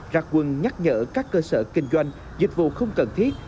ra quân nhắc nhở các cơ sở kinh doanh dịch vụ không cần thiết